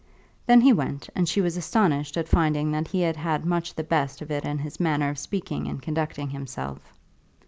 Then he went, and she was astonished at finding that he had had much the best of it in his manner of speaking and conducting himself.